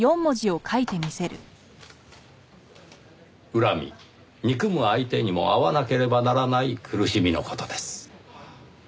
怨み憎む相手にも会わなければならない苦しみの事です。